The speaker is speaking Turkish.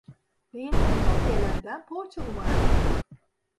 Değirmenden gelenden poğaça umarlar.